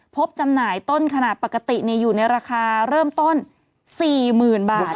จำหน่ายต้นขนาดปกติอยู่ในราคาเริ่มต้น๔๐๐๐บาท